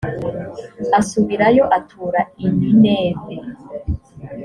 asubirayo atura i nineve